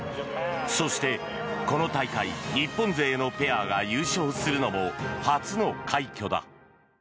そして、この大会日本勢のペアが優勝するのも初の快挙だ。